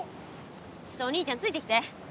ちょっとお兄ちゃんついてきて。